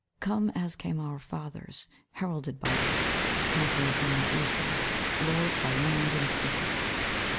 Come, as came our fathers, Heralded by thee, Conquering from the eastward, Lords by land and sea.